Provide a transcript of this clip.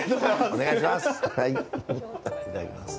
お願いします。